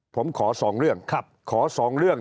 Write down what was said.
ผมขอสองเรื่อง